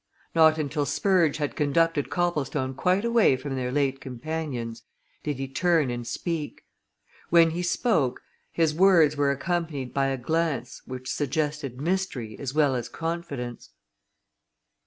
Not until Spurge had conducted Copplestone quite away from their late companions did he turn and speak; when he spoke his words were accompanied by a glance which suggested mystery as well as confidence.